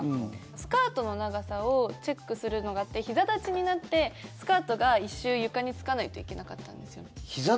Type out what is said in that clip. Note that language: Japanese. スカートの長さをチェックするのがあってひざ立ちになってスカートが１周床につかないといけなかったんですよ。